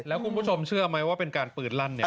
แล้วคุณผู้ชมเชื่อไหมว่าเป็นการปืนลั่นเนี่ย